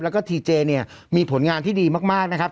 แล้วก็ทีเจเนี่ยมีผลงานที่ดีมากนะครับ